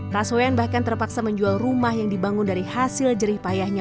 tas weyan bahkan terpaksa menjual rumah yang dibangun dari hasil jerih payahnya